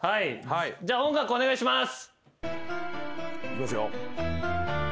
じゃあ音楽お願いします。